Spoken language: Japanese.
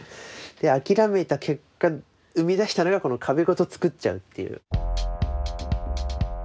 諦めた結果生み出したのが壁ごと作っちゃうという。